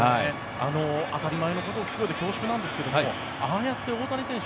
当たり前のことを聞くようで恐縮なんですけどもああやって大谷選手